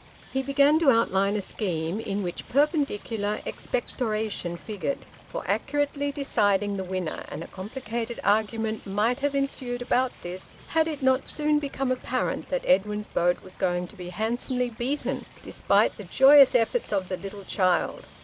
He began to outline a scheme, in which perpendicular expectoration figured, for accurately deciding the winner, and a complicated argument might have ensued about this, had it not soon become apparent that Edwin's boat was going to be handsomely beaten, despite the joyous efforts of the little child.